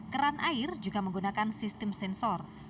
keran air juga menggunakan sistem sensor